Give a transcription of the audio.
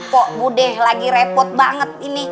pok budeh lagi repot banget ini